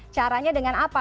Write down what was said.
caranya dengan apa